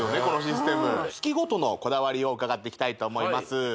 このシステム月ごとのこだわりを伺っていきたいと思います